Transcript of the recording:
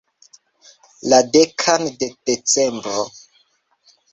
La dekan de Decembro!